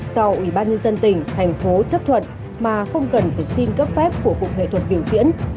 do ủy ban nhân dân tỉnh thành phố chấp thuận mà không cần phải xin cấp phép của cục nghệ thuật biểu diễn